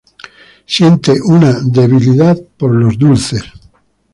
Siente una debilidad por los dulces.